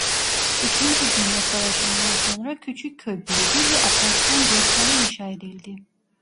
İkinci Dünya Savaşı'ndan sonra küçük köy büyüdü ve apartman blokları inşa edildi.